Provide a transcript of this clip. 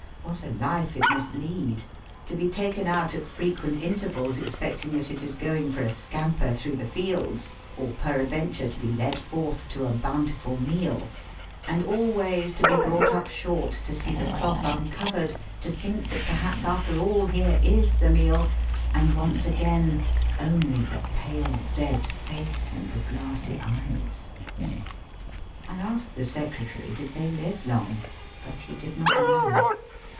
What a life it must lead ! To be taken out at frequent intervals expecting that it is going for a scamper through the fields, or peradventure to be led forth to a bountiful meal, and always to be brought up short to see the cloth uncovered, to think that perhaps after all here is the meal, and once again only the pale dead face and the glassy eyes. I asked the secretary did they live long ; but he did not know.